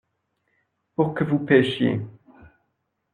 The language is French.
Pour que vous pêchiez.